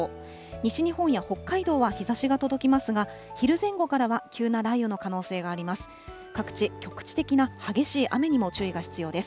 西日本や北海道は日ざしが届きますが、昼前後からは急な雷雨の可能性があります。